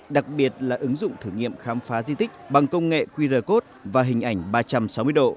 đặc biệt là ứng dụng thử nghiệm khám phá di tích bằng công nghệ qr code và hình ảnh ba trăm sáu mươi độ